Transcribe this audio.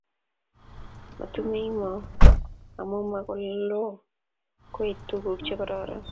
Matumein moo amu maku loo kuitu tuguk che kororon